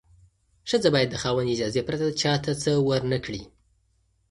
ښځه باید د خاوند اجازې پرته چا ته څه ورنکړي.